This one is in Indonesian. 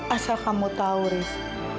asal kamu tahu ras